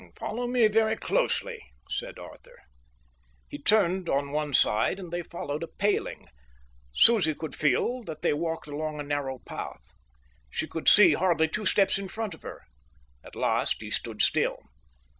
"Follow me very closely," said Arthur. He turned on one side, and they followed a paling. Susie could feel that they walked along a narrow path. She could see hardly two steps in front of her. At last he stood still.